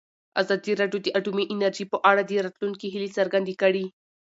ازادي راډیو د اټومي انرژي په اړه د راتلونکي هیلې څرګندې کړې.